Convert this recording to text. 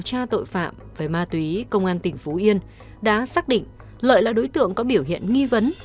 cảnh sát điều tra tội phạm về ma túy công an tỉnh phú yên đã xác định lợi là đối tượng có biểu hiện nghi vấn